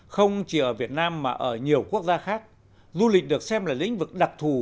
không chỉ ở việt nam mà ở nhiều quốc gia khác du lịch được xem là lĩnh vực đặc thù